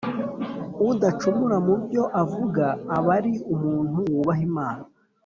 udacumura mu byo avuga aba ari umuntu wubaha Imana